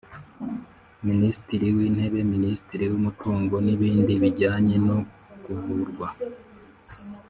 Minisitiri w’Intebe Minisitiri w’Umutungo n ibindi bijyanye no kuvurwa